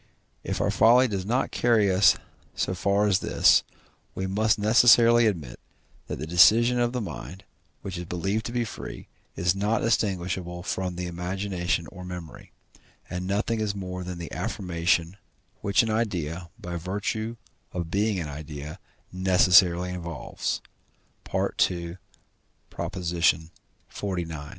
If our folly does not carry us so far as this, we must necessarily admit, that the decision of the mind, which is believed to be free, is not distinguishable from the imagination or memory, and is nothing more than the affirmation, which an idea, by virtue of being an idea, necessarily involves (II. xlix.).